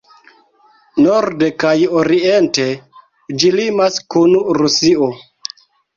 Norde kaj oriente ĝi limas kun Rusio.